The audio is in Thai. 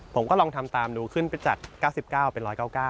ผมก็ลองทำตามดูขึ้นไปจัด๙๙เป็น๑๙๙